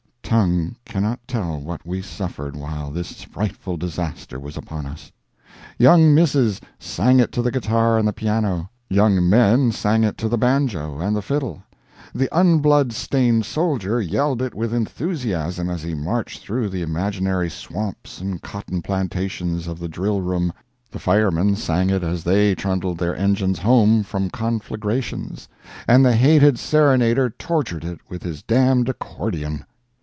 Tongue cannot tell what we suffered while this frightful disaster was upon us. Young misses sang it to the guitar and the piano; young men sang it to the banjo and the fiddle; the un blood stained soldier yelled it with enthusiasm as he marched through the imaginary swamps and cotton plantations of the drill room; the firemen sang it as they trundled their engines home from conflagrations; and the hated serenader tortured it with his damned accordeon.